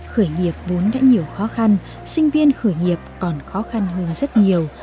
khởi nghiệp vốn đã nhiều khó khăn sinh viên khởi nghiệp còn khó khăn hơn rất nhiều